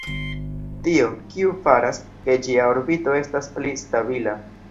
Tio, kiu faras, ke ĝia orbito estas pli stabila.